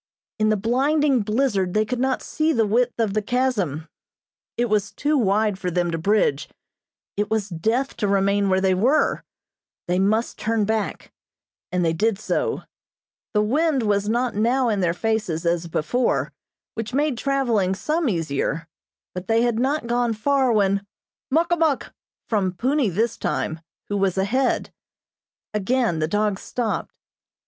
In the blinding blizzard they could not see the width of the chasm. It was too wide for them to bridge; it was death to remain where they were they must turn back, and they did so. The wind was not now in their faces as before, which made traveling some easier, but they had not gone far when: "Muk a muk!" from Punni this time, who was ahead. Again the dogs stopped.